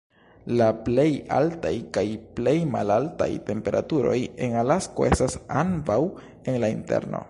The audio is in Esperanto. La plej altaj kaj plej malaltaj temperaturoj en Alasko estas ambaŭ en la Interno.